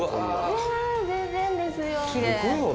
全然ですよ。